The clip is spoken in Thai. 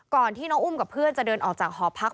ก่อนที่น้องอุ้มกับเพื่อนจะเดินออกจากหอพัก